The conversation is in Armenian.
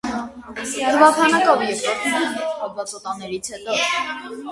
Թվաքանակով երկրորդն են հոդվածոտանիներից հետո։